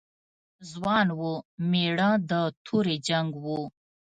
ځوان و، مېړه د تورې جنګ و.